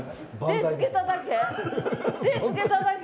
手つけただけ？